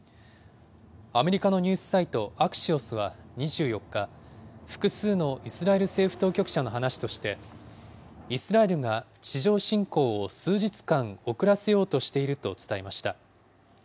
アメリカのニュースサイト、アクシオスは２４日、複数のイスラエル政府当局者の話として、イスラエルが地上侵攻を数日間遅らせようとしていると伝えました。